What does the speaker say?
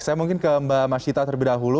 saya mungkin ke mbak masyita terlebih dahulu